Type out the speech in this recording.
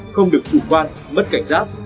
không được chủ quan mất cảnh giác